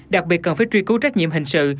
đặc biệt cần phải truy cứu trách nhiệm hình sự